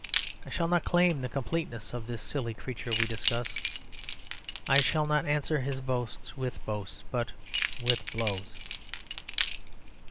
I shall not claim the completeness of this silly creature we discuss. I shall not answer his boasts with boasts; but with blows.